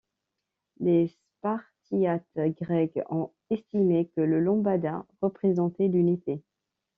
Les Spartiates grec ont estimé que le lambda représentait l'unité.